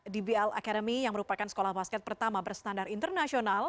dbl academy yang merupakan sekolah basket pertama berstandar internasional